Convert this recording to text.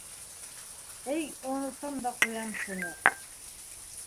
Эй, онотам да ҡуям шуны...